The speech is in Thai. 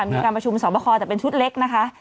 มีการประชุมสอบคอแต่เป็นชุดเล็กนะคะ